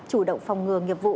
chủ động phòng ngừa nghiệp vụ